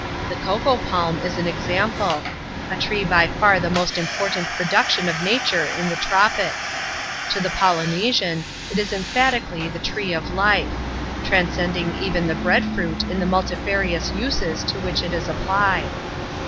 The cocoa palm is an example; a tree by far the most important i production of Nature in the Tropics. To the Polynesian, it is emphatically the Tree of Life; transcending even the bread fruit in the mul tifarious uses to which it is applied.